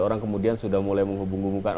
orang kemudian sudah mulai menghubung hubungkan